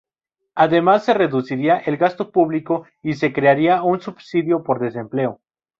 Además se reduciría el gasto público y se crearía un subsidio por desempleo.